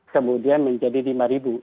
kemudian menjadi lima ribu